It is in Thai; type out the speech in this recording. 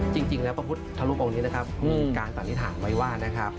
จริงแล้วพระพุทธรูปองค์นี้นะครับมีการสันนิษฐานไว้ว่านะครับ